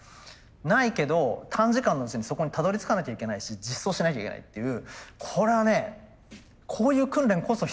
ないけど短時間のうちにそこにたどりつかなきゃいけないし実装しなきゃいけないっていうこれはねこういう訓練こそ必要。